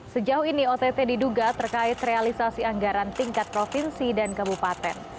sejauh ini ott diduga terkait realisasi anggaran tingkat provinsi dan kabupaten